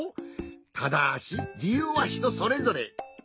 ただし理由はひとそれぞれ。